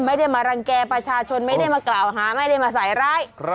ไม่ได้มารังแก่ประชาชนไม่ได้มากล่าวหาไม่ได้มาใส่ร้าย